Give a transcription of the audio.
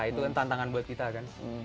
itu kan tantangan buat kita kan